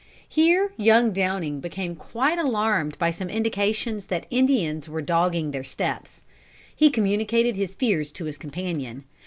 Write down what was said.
Here young Downing became quite alarmed by some indications that Indians were dogging their steps. He communicated his fears to his companion.